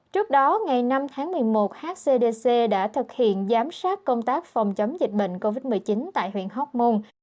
trước đó ngày năm tháng một mươi một hcdc đã thực hiện giám sát công tác phòng chống dịch bệnh covid một mươi chín tại huyện hóc môn